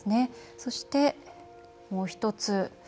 そして、もう１つ。